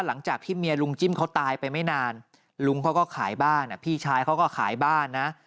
หลังจากที่เมียลุงจิ้มเขาตายไปไม่นานลุงเขาก็ขายบ้านพี่ชายเขาก็ขายบ้านนะ